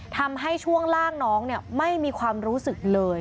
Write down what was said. ช่วงล่างน้องไม่มีความรู้สึกเลย